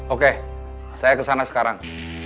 oke saya kesana sekarang